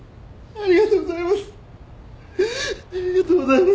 ありがとうございます。